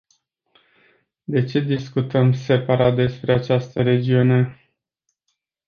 De ce discutăm separat despre această regiune?